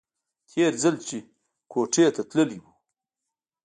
تېر ځل چې کوټې ته تللى و.